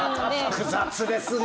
複雑ですね。